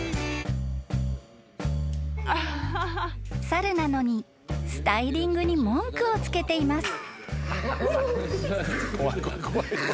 ［猿なのにスタイリングに文句をつけています］